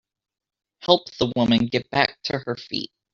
Help the woman get back to her feet.